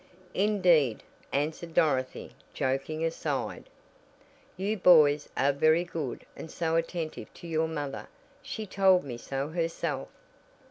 "Indeed," answered Dorothy, "joking aside, you boys are very good and so attentive to your mother. She told me so herself."